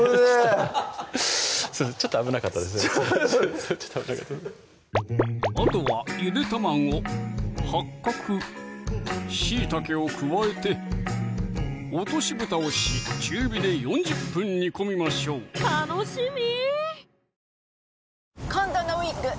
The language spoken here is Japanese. フフフッちょっと危なかったあとはゆで卵・八角・しいたけを加えて落とし蓋をし中火で４０分煮込みましょう楽しみ！